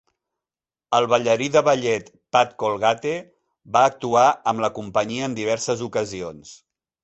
El ballarí de ballet Pat Colgate va actuar amb la companyia en diverses ocasions.